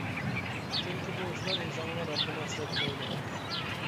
چۈنكى، بۇ ئىشلار ئىنسانغا رەببىنى ئەسلەتمەيدۇ.